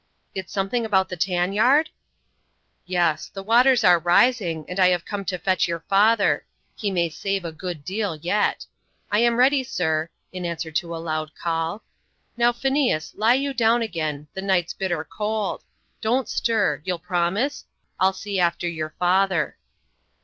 "It's something about the tan yard?" "Yes; the waters are rising, and I have come to fetch your father; he may save a good deal yet. I am ready, sir" in answer to a loud call. "Now, Phineas, lie you down again, the night's bitter cold. Don't stir you'll promise? I'll see after your father."